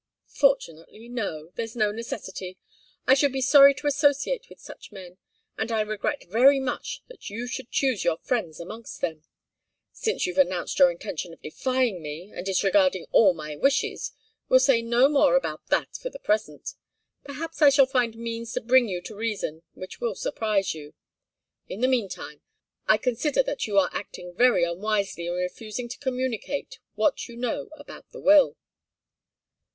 "Fortunately, no there's no necessity. I should be sorry to associate with such men, and I regret very much that you should choose your friends amongst them. Since you've announced your intention of defying me and disregarding all my wishes, we'll say no more about that for the present. Perhaps I shall find means to bring you to reason which will surprise you. In the meantime, I consider that you are acting very unwisely in refusing to communicate what you know about the will."